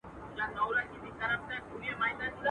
د مرگ څخه چاره نسته.